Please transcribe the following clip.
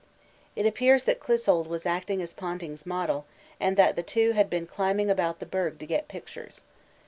It appears that Clissold was acting as Ponting's 'model' and that the two had been climbing about the berg to get pictures.